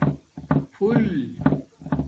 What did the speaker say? پُݸل